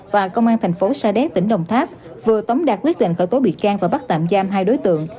và công an thành phố sa đéc tỉnh đồng tháp vừa tống đạt quyết định khởi tố bị can và bắt tạm giam hai đối tượng